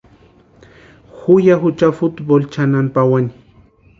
Ju ya jucha futboli chʼanani pawani.